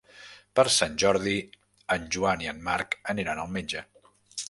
Per Sant Jordi en Joan i en Marc aniran al metge.